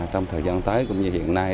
trong thời gian tới cũng như hiện nay